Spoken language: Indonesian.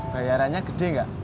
bayarannya gede ga